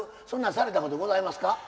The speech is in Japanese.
そんなんされたことございますか？